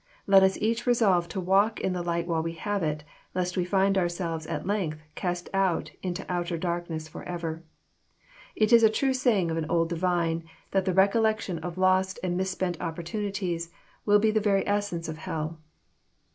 Let us each resolve to walk in the light while we have it, lest we find ourselves at length cast out into outer darkness forever. It is a true saying of an old divine, that the recollection of lost and misspent opportunities will be the very essence of hell.